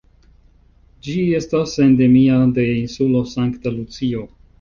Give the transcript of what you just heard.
Ĝi estas endemia de Insulo Sankta Lucio.